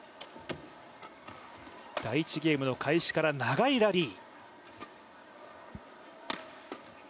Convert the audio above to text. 第１ゲームの開始から長いラリー。